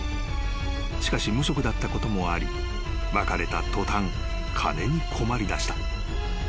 ［しかし無職だったこともあり別れた途端金に困りだした］